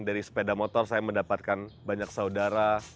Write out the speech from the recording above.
dari sepeda motor saya mendapatkan banyak saudara